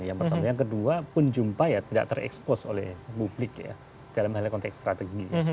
yang pertama yang kedua pun jumpa ya tidak terekspos oleh publik ya dalam hal konteks strategi